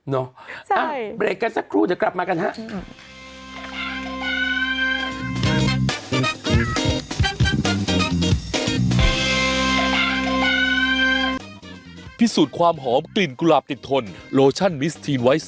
เนอะอ่ะเบรกกันสักครู่เดี๋ยวกลับมากันฮะอ่ะจริง